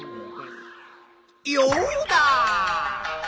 ヨウダ！